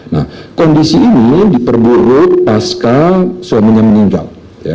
nah kondisi ini diperburuk pasca suaminya meninggal